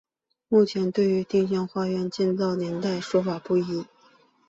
目前对于丁香花园的建造年代说法不一。